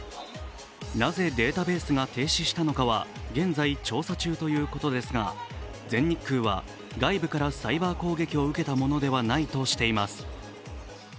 なぜデータベースが停止したのかは現在調査中ということですが全日空は外部からサイバー攻撃を受けたものではないとしています。